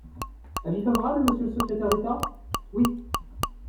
Avis favorable, monsieur le secrétaire d’État ? Oui.